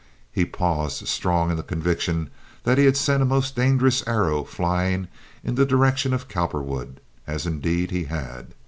He paused, strong in the conviction that he had sent a most dangerous arrow flying in the direction of Cowperwood, as indeed he had.